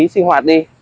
sinh hoạt đi